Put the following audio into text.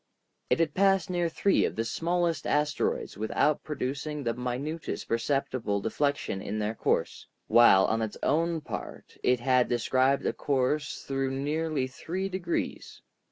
It had passed near three of the smallest asteroids without producing the minutest perceptible deflection in their course; while, on its own part, it had described a course through nearly three degrees.